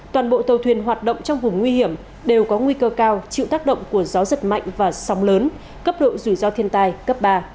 toàn bộ tàu thuyền hoạt động trong vùng nguy hiểm đều có nguy cơ cao chịu tác động của gió giật mạnh và sóng lớn cấp độ rủi ro thiên tai cấp ba